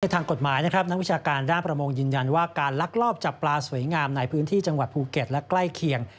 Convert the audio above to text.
ทางกฎหมายนะครับนักวิชาการด้านประมงยืนยันว่าการลักลอบจับปลาสวยงามในพื้นที่จังหวัดภูเก็ตและใกล้เคียง